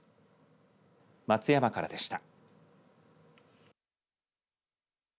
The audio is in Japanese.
松山からでした。